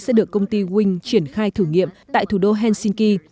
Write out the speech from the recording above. sẽ được công ty wing triển khai thử nghiệm tại thủ đô helsinki